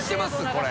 これ。